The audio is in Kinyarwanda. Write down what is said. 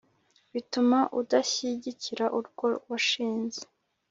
bituma udashyigikira urwo washinze